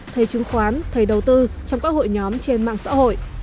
thầy chứng khoán thầy đầu tư trong các hội nhóm trên mạng xã hội